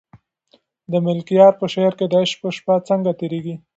د ملکیار په شعر کې د عشق شپه څنګه تېرېږي؟